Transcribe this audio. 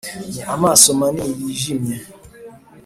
ni amaso manini yijimye